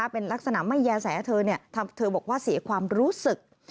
เป็นลักษณะไม่แย่แสเธอเธอบอกว่าเสียความรู้สึก